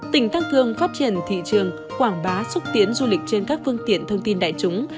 tỉnh tăng cường phát triển thị trường quảng bá xúc tiến du lịch trên các phương tiện thông tin đại chúng